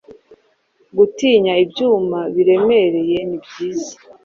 Gutinya ibyuma biremereye nibyiza